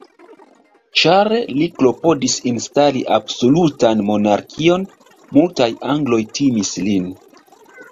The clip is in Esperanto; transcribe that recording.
Ĉar li klopodis instali absolutan monarkion, multaj angloj timis lin.